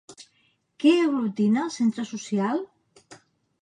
Què aglutina el centre social?